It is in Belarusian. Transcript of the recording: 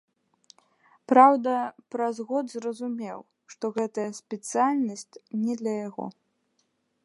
Праўда, праз год зразумеў, што гэтая спецыяльнасць не для яго.